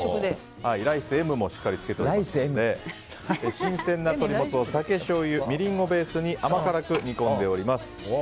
ライスＭもしっかりつけていまして新鮮な鶏もつを酒、しょうゆ、みりんをベースに甘辛く煮込んでおります。